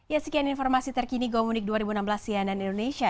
ya sekian informasi terkini gomudik dua ribu enam belas cnn indonesia